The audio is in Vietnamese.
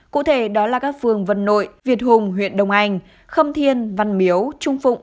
cụ thể đó là các phường vân nội việt hùng huyện đông anh khâm thiên văn miếu trung phụng